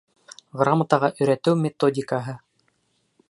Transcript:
Грамотаға өйрәтеү методикаһы.